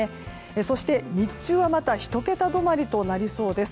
そして、日中はまた１桁止まりとなりそうです。